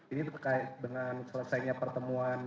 ini terkait dengan selesainya pertemuan